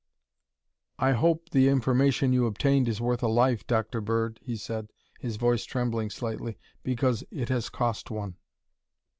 "I hope that the information you obtained is worth a life, Dr. Bird," he said, his voice trembling slightly, "because it has cost one."